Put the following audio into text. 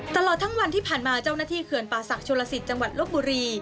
ตลอดทั้งวันที่ผ่านมาเจ้าหน้าที่เขื่อนป่าศักดิชลสิตจังหวัดลบบุรี